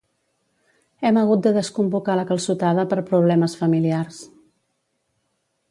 Hem hagut de desconvocar la calçotada per problemes familiars